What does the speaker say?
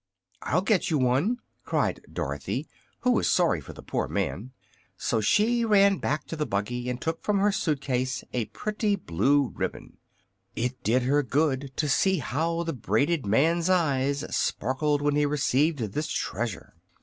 "I'll get you one!" cried Dorothy, who was sorry for the poor man; so she ran back to the buggy and took from her suit case a pretty blue ribbon. It did her good to see how the braided man's eyes sparkled when he received this treasure.